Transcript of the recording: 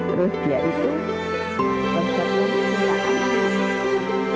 terus dia itu bersekutu menikahkan anaknya